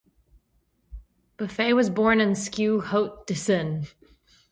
Buffet was born in Sceaux, Hauts-de-Seine.